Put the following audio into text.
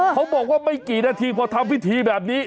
เขาบอกว่าไม่กี่นาทีพอทำพิธีแบบนี้